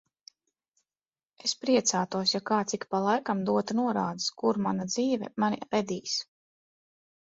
Es priecātos, ja kāds ik pa laikam dotu norādes, kur mana dzīve mani vedīs.